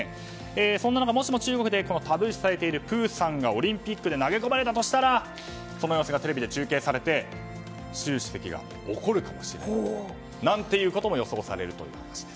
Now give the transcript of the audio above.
そんな中もしも中国でタブー視されているプーさんがオリンピックで投げ込まれたとしたらこの様子がテレビで中継されて習主席が怒るかもしれないなんてことも予想されるという話です。